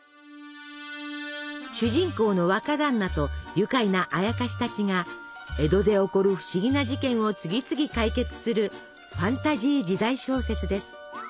主人公の若だんなと愉快なあやかしたちが江戸で起こる不思議な事件を次々解決するファンタジー時代小説です。